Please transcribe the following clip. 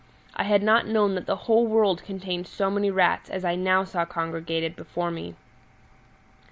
I had not known that the whole world contained so many rats as I now saw congregated before me.